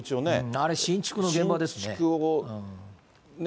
あれ、新築の現場ですね。